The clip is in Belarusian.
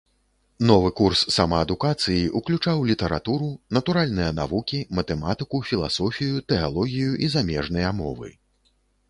Новы курс самаадукацыі уключаў літаратуру, натуральныя навукі, матэматыку, філасофію, тэалогію і замежныя мовы.